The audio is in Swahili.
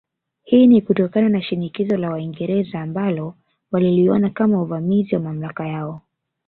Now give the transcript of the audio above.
Hii ni kutokana na shinikizo la Waingereza ambalo waliliona kama uvamizi wa mamlaka yao